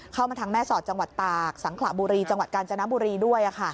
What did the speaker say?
เข้ามาทางแม่สอดจังหวัดตากสังขระบุรีจังหวัดกาญจนบุรีด้วย